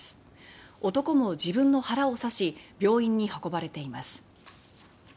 男も自分の腹を刺し病院に運ばれています。